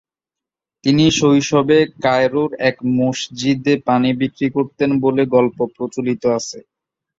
তিনি শৈশবে কায়রোর এক মসজিদে পানি বিক্রি করতেন বলে গল্প প্রচলিত আছে।